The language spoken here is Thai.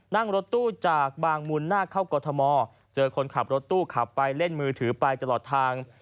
นั่งรถตู้จากบางมูลหน้าเข้ากรทมเจอคนขับรถตู้ขับไปเล่นมือถือไปตลอดทาง